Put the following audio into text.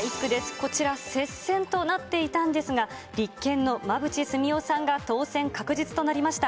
こちら、接戦となっていたんですが、立憲の馬淵澄夫さんが当選確実となりました。